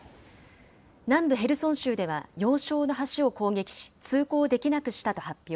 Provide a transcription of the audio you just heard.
南部ヘルソン州では要衝の橋を攻撃し、通行できなくしたと発表。